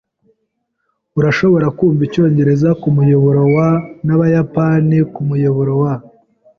Urashobora kumva icyongereza kumuyoboro wa , nabayapani kumuyoboro wa .